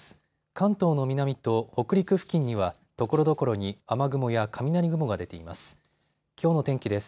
関東の南と北陸付近にはところどころに雨雲や雷雲が出ています。